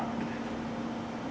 như vậy là